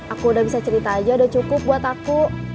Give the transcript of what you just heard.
aku udah bisa cerita aja udah cukup buat aku